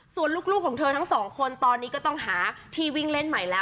ส่วนลูกของเธอทั้งสองคนตอนนี้ก็ต้องหาที่วิ่งเล่นใหม่แล้ว